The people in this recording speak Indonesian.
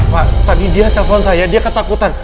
pak tadi dia telpon saya dia ketakutan